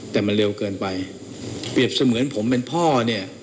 แต่มันเร็วเกินไปเปรียบเสมือนผมเป็นพ่อเนี่ย